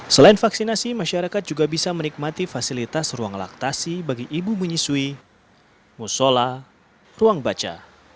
selain vaksinasi masyarakat juga bisa menikmati fasilitas ruang laktasi bagi ibu menyusui musola ruang baca